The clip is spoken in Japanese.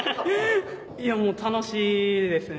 いやもう楽しいですね。